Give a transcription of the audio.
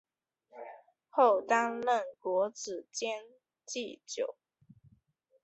后担任国子监祭酒。